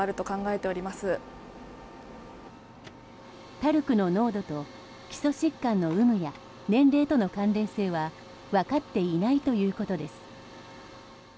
ＴＡＲＣの濃度と基礎疾患の有無や年齢との関連性は分かっていないということです。